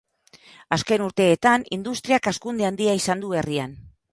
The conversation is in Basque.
Azken urteetan industriak hazkunde handia izan du herrian.